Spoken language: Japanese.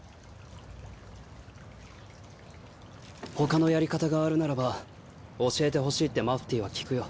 ほかのやり方があるならば教えてほしいってマフティーは聞くよ。